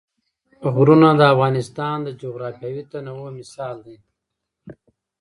غرونه د افغانستان د جغرافیوي تنوع مثال دی.